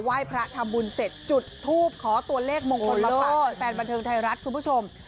ไหว้พระธรรมบุญเสร็จจุดทูบขอตัวเลขมงคลบัตรแปลบันเทิงไทยรัฐคุณผู้ชม